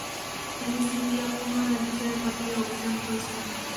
তিনি সিরিয়া পুনরায় বিজয় করতে অভিযান পরিচালনা করেন।